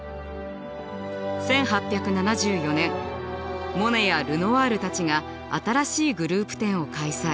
１８７４年モネやルノワールたちが新しいグループ展を開催。